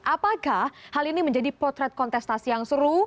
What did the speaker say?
apakah hal ini menjadi potret kontestasi yang seru